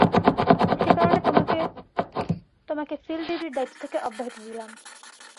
সেকারণে তোমাকে ফিল্ড ডিউটির দায়িত্ব থেকে অব্যাহতি দিলাম।